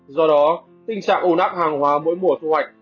do đó tình trạng ồn áp hàng hóa mỗi mùa thu hoạch